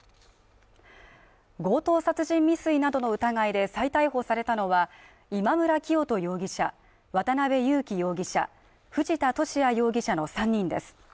強盗殺人未遂などの疑いで再逮捕されたのは今村磨人容疑者、渡辺優樹容疑者藤田聖也容疑者の３人です。